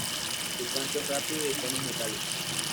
Su canto es rápido y de tonos metálicos.